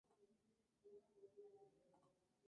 Su capital era Mequinez.